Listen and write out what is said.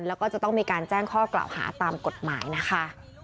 แล้วก็จะต้องมีการแจ้งข้อกล่าวหาตามกฎหมายนะคะ